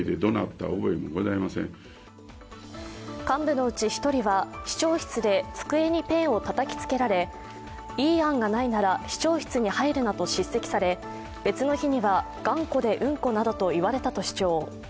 幹部のうち１人は、市長室で机にペンをたたきつけられ、いい案がないなら市長室に入るなと叱責され、別の日には、頑固でうんこなどと言われたと主張。